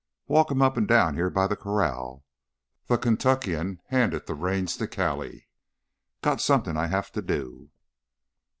"Walk him up and down here by the corral." The Kentuckian handed the reins to Callie. "Got something I have to do."